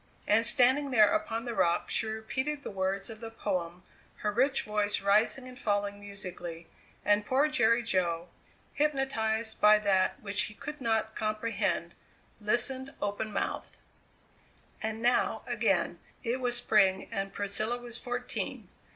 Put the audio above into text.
And standing there upon the rock she repeated the words of the poem, her rich voice rising and falling musically, and poor Jerry Jo, hypnotized by that which he could not comprehend, listened open mouthed. And now, again, it was spring and Priscilla was fourteen.